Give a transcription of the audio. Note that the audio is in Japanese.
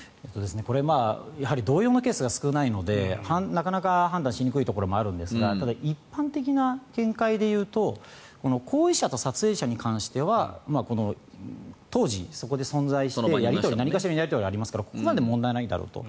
これは同様のケースが少ないのでなかなか判断しにくいところもあるんですがただ一般的な見解で言うとこの行為者と撮影者に関しては当時、そこで存在して何かしらのやり取りがありますからここは問題ないだろうと。